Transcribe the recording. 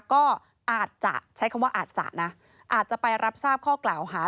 ก็อาจจะใช้คำว่าอาจจะนะอาจจะไปรับทราบข้อกล่าวหา